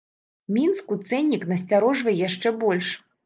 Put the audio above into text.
Мінску цэннік насцярожвае яшчэ больш.